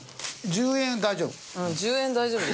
１０円大丈夫。